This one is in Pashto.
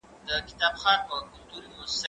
زه اوس د کتابتوننۍ سره خبري کوم!.